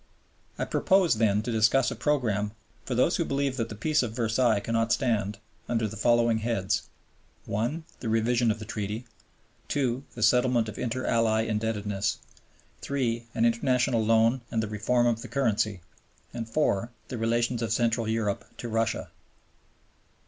I propose then to discuss a program, for those who believe that the Peace of Versailles cannot stand, under the following heads: 1. The Revision of the Treaty. 2. The settlement of inter Ally indebtedness. 3. An international loan and the reform of the currency. 4. The relations of Central Europe to Russia.